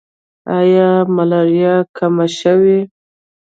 آیا ملاریا کمه شوې؟